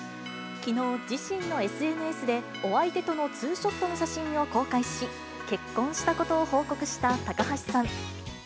きのう、自身のＳＮＳで、お相手との２ショットの写真を公開し、結婚したことを報告した高橋さん。